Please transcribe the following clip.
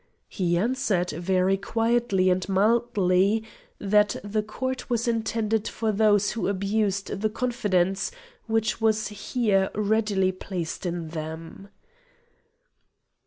He answered, very quietly and mildly, that the cord was intended for those who abused the confidence which was here readily placed in them.